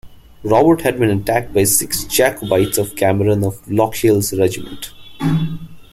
Robert had been attacked by six Jacobites of Cameron of Lochiel's regiment.